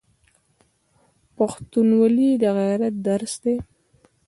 پښتونولي د غیرت درس دی.